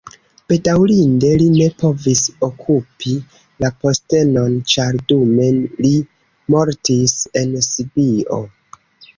Bedaŭrinde li ne povis okupi la postenon, ĉar dume li mortis en Sibio.